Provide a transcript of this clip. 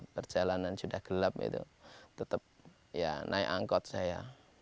perjalanan sudah gelap itu tetap ya naik angkot saya